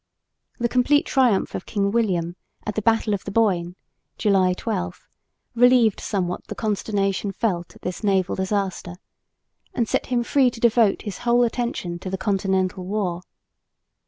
The complete triumph of King William at the battle of the Boyne (July 12) relieved somewhat the consternation felt at this naval disaster, and set him free to devote his whole attention to the Continental war.